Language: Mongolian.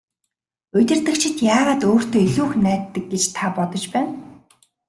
Удирдагчид яагаад өөртөө илүү их найддаг гэж та бодож байна?